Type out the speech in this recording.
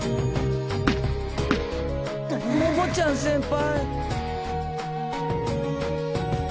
桃ちゃん先輩。